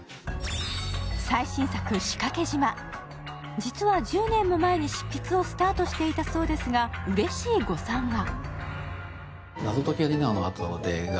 最新作「仕掛島」、実は１０年も前に執筆をスタートしていたそうですが、うれしい誤算が。